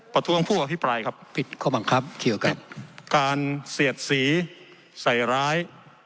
ประท้วงผู้หวัดพิปรายครับการเสียดสีใส่ร้าย